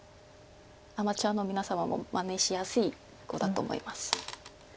アマチュアの皆様もまねしやすい碁だと思います。